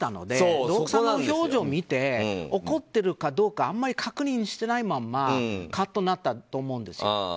で、奥さんの表情を見て怒ってるかどうかあんまり確認してないまんまカッてなったと思うんですよ。